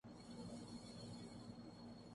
اجلاس میں یہ بھی فیصلہ کیا گیا کہ